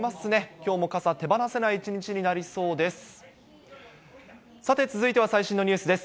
きょうも傘、手放せない一日になりそうです。